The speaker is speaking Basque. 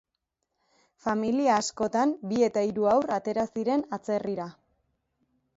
Familia askotan bi eta hiru haur atera ziren atzerrira.